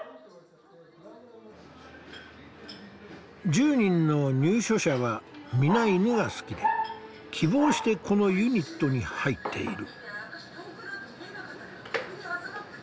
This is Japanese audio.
１０人の入所者は皆犬が好きで希望してこのユニットに入っている。